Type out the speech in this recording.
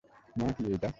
মা, কী এটা?